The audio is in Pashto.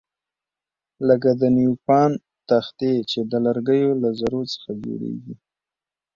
لکه د نیوپان تختې چې د لرګیو له ذرو څخه جوړیږي.